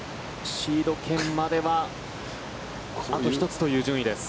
シード権まではあと１つという順位です。